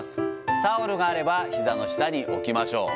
タオルがあればひざの下に置きましょう。